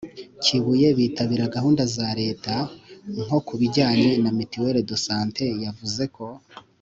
kibuye bitabira gahunda za leta. nko ku bijyanye na mutuelle de santé, yavuze ko